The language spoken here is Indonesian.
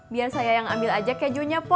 biar saya yang ambil aja kejunya p o